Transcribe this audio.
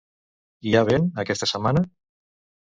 Hi ha vent aquesta setmana?